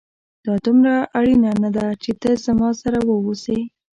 دا دومره اړينه نه ده چي ته زما سره واوسې